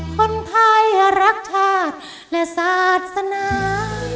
คนไทยรักชาติและศาสนา